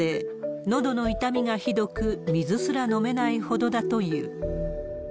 のどの痛みがひどく、水すら飲めないほどだという。